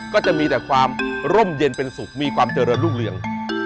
ก็จะมีแต่ความร่มเย็นเป็นสุขมีความเจริญรุ่งเรือง